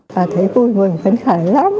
bà thấy vui vùng phấn khởi lắm